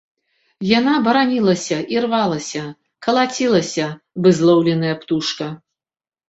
Яна баранілася і рвалася, калацілася, бы злоўленая птушка.